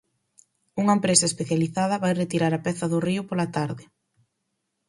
Unha empresa especializada vai retirar a peza do río pola tarde.